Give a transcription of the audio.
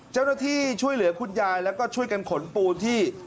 เจ้าหน้าที่ช่วยเหลือคุณยายแล้วก็ช่วยกันขนปูนที่